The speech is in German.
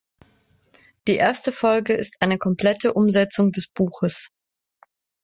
Die erste Folge ist eine komplette Umsetzung des Buches.